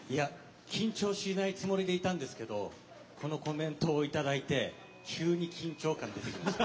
緊張しないつもりでいたんですけどこのコメントをいただいて急に緊張感が出てきました。